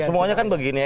semuanya kan begini